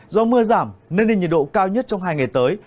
do mưa giảm nên nền nhiệt độ cao nhất trong hai ngày tới